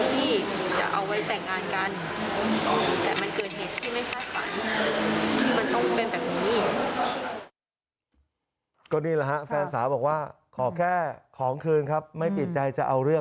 ที่จะเอาไว้แต่งงานกันแต่มันเกินเหตุที่ไม่ใช่ฝัน